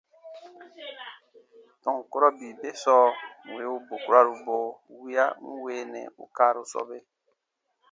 Tɔn kurɔ bii be sɔɔ wì u bukuraru bo wiya n weenɛ ù kaaru sɔbe.